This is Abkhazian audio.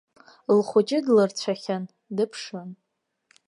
Лхәыҷы длырцәахьан, дыԥшын.